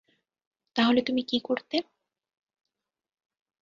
তাহলে তুমি কি করতে?